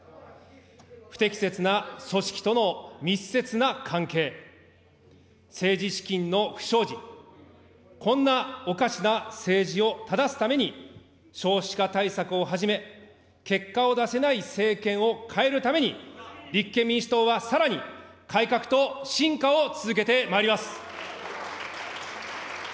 不適切な組織との密接な関係、政治資金の不祥事、こんなおかしな政治を正すために、少子化対策をはじめ、結果を出せない政権を替えるために、立憲民主党はさらに、改革と進化を続けてまいります。